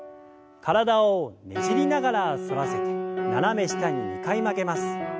体をねじりながら反らせて斜め下に２回曲げます。